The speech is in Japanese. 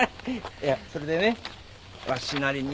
いやそれでねわしなりに。